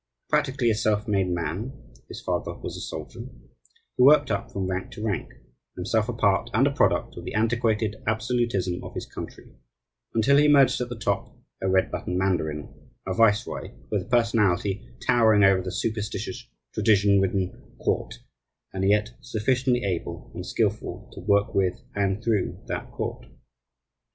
Practically a self made man (his father was a soldier), he worked up from rank to rank, himself a part and a product of the antiquated absolutism of his country, until he emerged at the top, a red button mandarin, a viceroy, with a personality towering above the superstitious, tradition ridden court, and yet sufficiently able and skillful to work with and through that court.